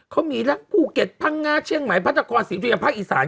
เขามีทั้งภูเก็ตพังงาเชียงใหม่พระนครศรีเรียมภาคอีสาน